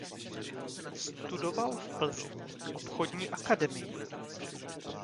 Studoval v Plzni obchodní akademii.